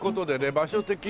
場所的には。